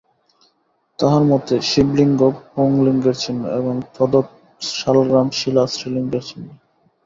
তাঁহার মতে শিবলিঙ্গ পুংলিঙ্গের চিহ্ন এবং তদ্বৎ শালগ্রাম-শিলা স্ত্রীলিঙ্গের চিহ্ন।